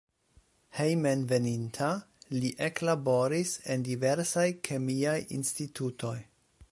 Hejmenveninta li eklaboris en diversaj kemiaj institutoj.